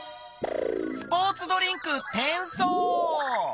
スポーツドリンクてんそう。